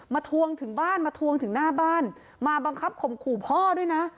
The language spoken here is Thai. ทวงถึงบ้านมาทวงถึงหน้าบ้านมาบังคับข่มขู่พ่อด้วยนะ